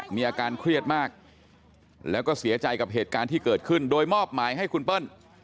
มีอาการเครียดมากแล้วก็เสียใจกับเหตุการณ์ที่เกิดขึ้นโดยมอบหมายให้คุณเปิ้ล